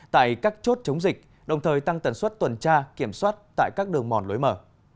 tại các chốt chống dịch đồng thời tăng tần suất tuần tra kiểm soát tại các đường mòn lối mở